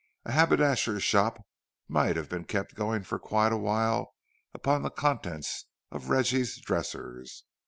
A haberdasher's shop might have been kept going for quite a while upon the contents of Reggie's dressers.